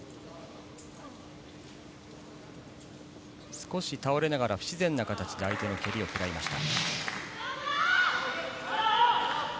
少し倒れながら不自然な形で相手の蹴りをくらいました。